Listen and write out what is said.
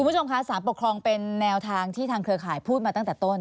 คุณผู้ชมคะสารปกครองเป็นแนวทางที่ทางเครือข่ายพูดมาตั้งแต่ต้น